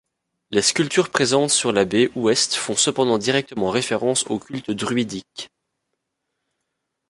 Les sculptures présentes sur la baie ouest font cependant directement référence au culte druidique.